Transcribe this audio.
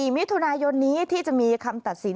มิถุนายนนี้ที่จะมีคำตัดสิน